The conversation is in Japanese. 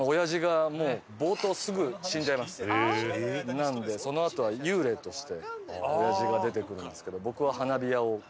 なのでそのあとは幽霊として親父が出てくるんですけど。